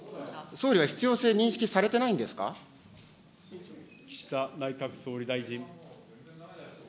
総理は必要性、認識されてないん岸田内閣総理大臣。